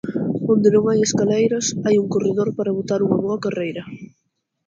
Onde non hai escaleiras hai un corredor para botar unha boa carreira...